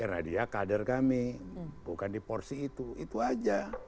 karena dia kader kami bukan di porsi itu itu aja